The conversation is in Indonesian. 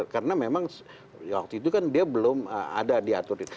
karena memang waktu itu kan dia belum ada diaturin